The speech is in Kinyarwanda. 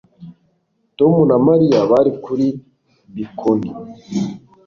Tom na Mariya bari kuri bkoni